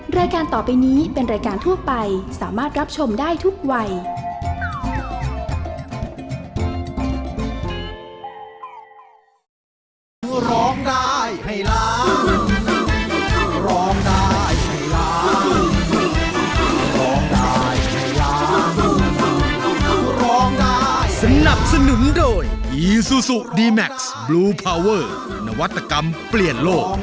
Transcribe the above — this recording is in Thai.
รายการต่อไปนี้เป็นรายการทั่วไปสามารถรับชมได้ทุกวัย